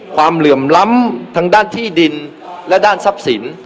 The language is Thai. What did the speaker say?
เหลื่อมล้ำทางด้านที่ดินและด้านทรัพย์สิน